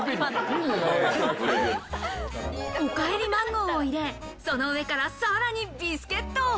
おかえりマンゴーを入れ、その上からさらにビスケット。